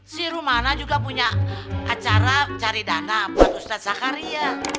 si rumana juga punya acara cari dana buat ustadz sakaria